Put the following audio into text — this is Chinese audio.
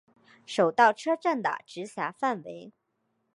手稻车站的直辖范围。